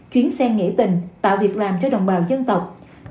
chuyến xe nghĩa tình tạo việc làm cho đồng bào dân tộc